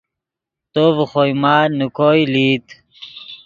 تو ڤے خوئے مال نے کوئے لئیت